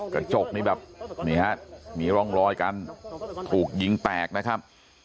กระจกนี่แบบนี่ฮะมีร่องรอยการถูกยิงแตกนะครับ